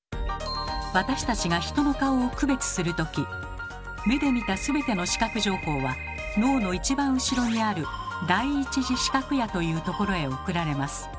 私たちが目で見た全ての視覚情報は脳の一番後ろにある第一次視覚野というところへ送られます。